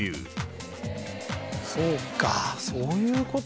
そうか。